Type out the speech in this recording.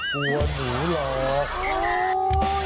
กลัวหนูหลอก